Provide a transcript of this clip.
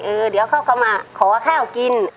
เดี๋ยวเขาก็มาขอข้าวกิน